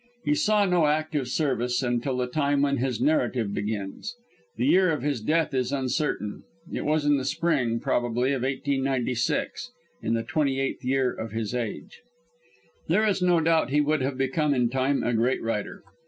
He saw no active service until the time when his narrative begins. The year of his death is uncertain. It was in the spring probably of 1896, in the twenty eighth year of his age. There is no doubt he would have become in time a great writer.